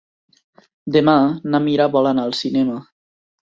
Demà na Mira vol anar al cinema.